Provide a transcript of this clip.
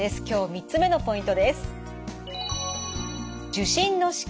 今日３つ目のポイントです。